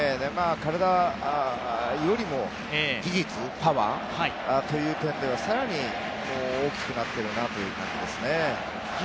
体よりも技術、パワーという点では更に大きくなっているなという感じですね。